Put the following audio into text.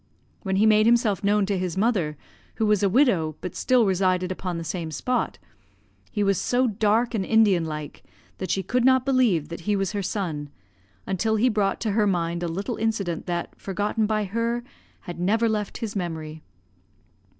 "When he made himself known to his mother, who was a widow, but still resided upon the same spot, he was so dark and Indian like, that she could not believe that he was her son, until he brought to her mind a little incident, that, forgotten by her, had never left his memory.